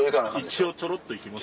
一応ちょろっと行きます？